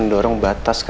apa yang benar ini